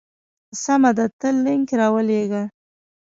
سمه ده ته لینک راولېږه.